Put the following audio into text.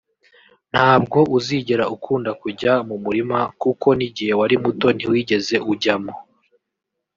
ntabwo uzigera ukunda kujya mu murima kuko n’igihe wari muto ntiwigeze ujyamo